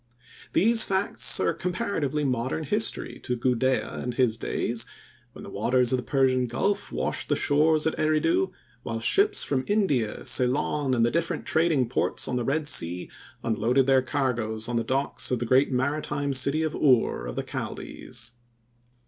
These facts are comparatively modern history to Gudea and his days, when the waters of the Persian Gulf washed the shores at Eridu, while ships from India, Ceylon and the different trading ports on the Red Sea unloaded their cargoes on the docks of the great maritime city of Ur of the Chaldees.